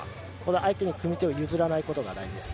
相手に組手を譲らないことが大事です。